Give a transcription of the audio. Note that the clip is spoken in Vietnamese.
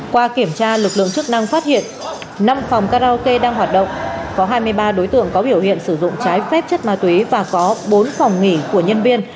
qua kiểm tra lực lượng chức năng phát hiện năm phòng karaoke đang hoạt động có hai mươi ba đối tượng có biểu hiện sử dụng trái phép chất ma túy và có bốn phòng nghỉ của nhân viên